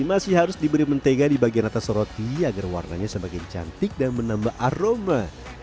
masih harus diberi mentega di bagian atas roti agar warnanya semakin cantik dan menambah aroma